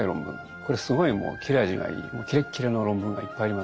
これすごいもう切れ味がいいキレッキレの論文がいっぱいあります。